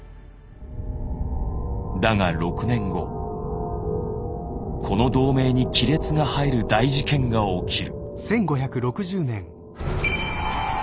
だが６年後この同盟に亀裂が入る大事件が起きる。